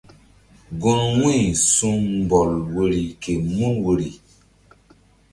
Gun wu̧y su̧ mbɔl woyri mun woyri.